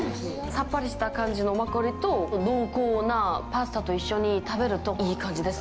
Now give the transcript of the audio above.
さっぱりした感じのマッコリと濃厚なパスタと一緒に食べるといい感じです。